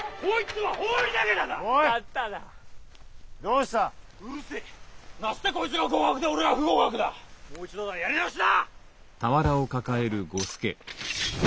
もう一度だやり直しだ！